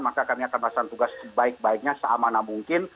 maka kami akan laksanakan tugas sebaik baiknya seamanah mungkin